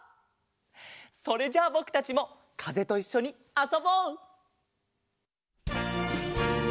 それじゃあぼくたちもかぜといっしょにあそぼう！